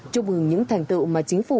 chúc mừng những thành tựu mà chính phủ